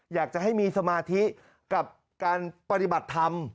อยากจะให้มีสมาธิกับการปฏิบัติธรรม